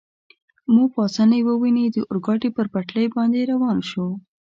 مو په اسانۍ وویني، د اورګاډي پر پټلۍ باندې روان شو.